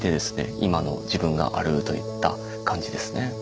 今の自分があるといった感じですね。